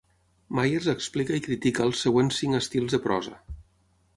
Myers explica i critica els següents cinc estils de prosa.